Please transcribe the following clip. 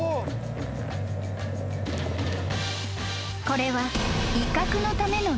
［これは］